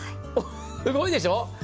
すごいでしょ！